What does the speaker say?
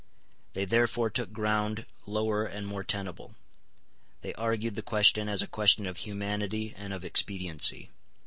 They therefore took ground lower and more tenable. They argued the question as a question of humanity and of expediency.